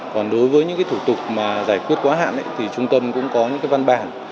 còn đối với những thủ tục giải quyết quá hạn thì trung tâm cũng có những văn bản